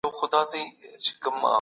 که دلایل قوي نه وي څېړنه به کمزورې وي.